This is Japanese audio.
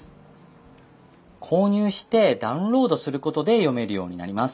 購入してダウンロードすることで読めるようになります。